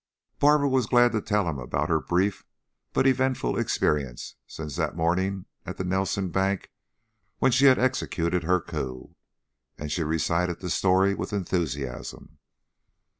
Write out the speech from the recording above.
Barbara was glad to tell him about her brief but eventful experience since that morning at the Nelson bank when she had executed her coup, and she recited the story with enthusiasm.